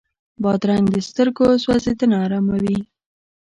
بادرنګ د سترګو سوځېدنه اراموي.